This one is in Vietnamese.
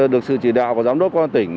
được sự chỉ đạo của giám đốc công an tỉnh